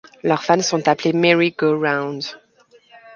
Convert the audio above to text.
Leurs fans sont appelés Merry-Go-Round.